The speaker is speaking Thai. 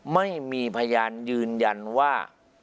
ไม่มีพยานยืนยันว่า